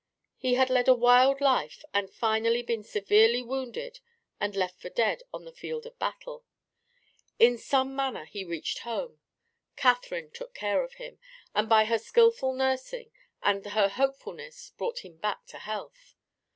He had led a wild life and finally been severely wounded and left for dead on the field of battle. In some manner he reached home. Catherine took care of him, and by her skilful nursing and her hopefulness brought him back to health.